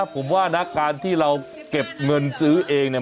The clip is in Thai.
ผมว่านะการที่เราเก็บเงินซื้อเองเนี่ย